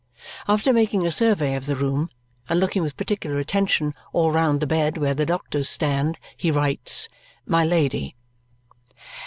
After making a survey of the room and looking with particular attention all round the bed where the doctors stand, he writes, "My Lady."